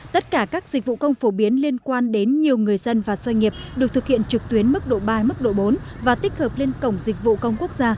tất cả các dịch vụ công phổ biến liên quan đến nhiều người dân và doanh nghiệp được thực hiện trực tuyến mức độ ba mức độ bốn và tích hợp lên cổng dịch vụ công quốc gia